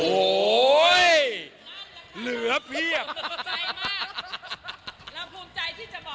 โอ้ยเหลือเพียบขอบคุณใจมากเราภูมิใจที่จะบอกว่า